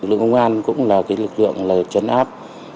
lực lượng công an cũng là cái lực lượng là chấn áp